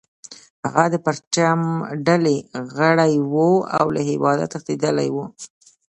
هغه د پرچم ډلې غړی و او له هیواده تښتیدلی و